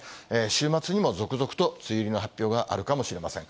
週末にも続々と梅雨入りの発表があるかもしれません。